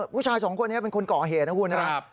ผู้ชายสองคนนี้ก็เป็นคนก่อเหนะคุณนะครับ